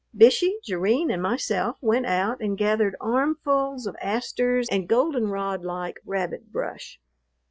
Bishey, Jerrine, and myself went out and gathered armfuls of asters and goldenrod like rabbit brush.